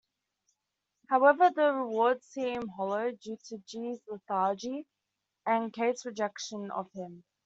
However, the rewards seem hollow due to G's lethargy and Kate's rejection of him.